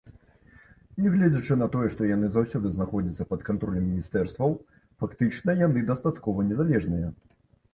Нягледзячы на тое, што яны заўсёды знаходзяцца пад кантролем міністэрстваў, фактычна яны дастаткова незалежныя.